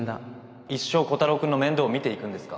一生コタローくんの面倒を見ていくんですか？